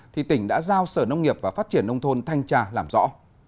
thì tỉnh đã giao sở nông nghiệp và phát triển nông thôn thanh tra làm rõ